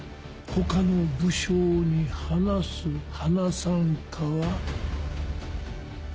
他の武将に話す話さんかは。